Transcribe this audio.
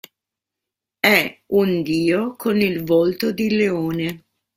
È un dio con il volto di leone.